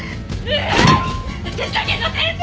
私だけの先生！